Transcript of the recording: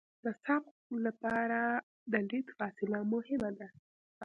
د سبقت لپاره د لید فاصله مهمه ده